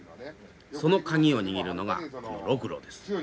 その鍵を握るのがこのロクロです。